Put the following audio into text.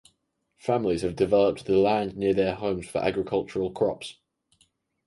Families have developed the land near their homes for agricultural crops.